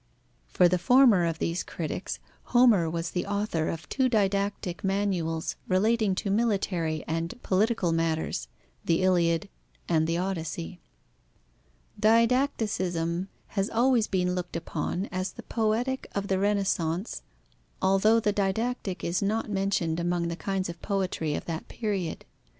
For the former of these critics, Homer was the author of two didactic manuals relating to military and political matters: the Iliad and the Odyssey. Didacticism has always been looked upon as the Poetic of the Renaissance, although the didactic is not mentioned among the kinds of poetry of that period.